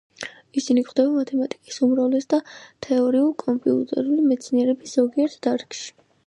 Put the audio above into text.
ისინი გვხვდება მათემატიკის უმრავლეს და თეორიული კომპიუტერული მეცნიერების ზოგიერთ დარგში.